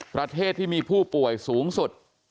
ประเทศที่มีผู้ป่วยสูงสุด